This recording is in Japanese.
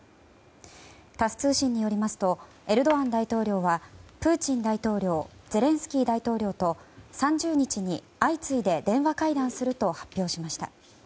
タス通信によりますとエルドアン大統領はプーチン大統領ゼレンスキー大統領と３０日に、相次いで電話会談すると発表しました。